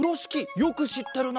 よくしってるな！